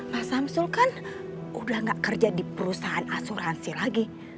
mas hamsul kan udah gak kerja di perusahaan asuransi